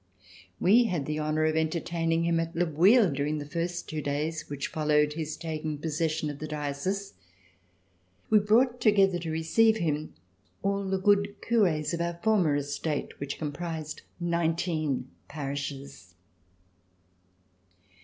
We had the honor of enter taining him at Le Bouilh during the first two days which followed his taking possession of the diocese. We brought together to receive him all the good cures of our former estate which comprised nineteen parishes.